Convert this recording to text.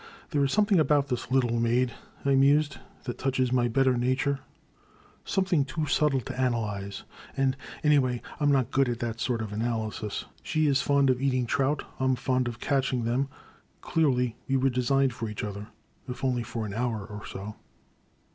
There is something about this little maid, I mused, that touches my better nature; some thing too subtle to analyze, and anyway, I *m not 277 278 The Crime. good at that sort of analysis. She is fond of eat ing trout, I *m fond of catching them. Clearly we were designed for each other, — ^if only for an hour or so.